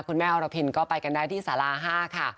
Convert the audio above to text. แม่อรพินก็ไปกันได้ที่สารา๕ค่ะ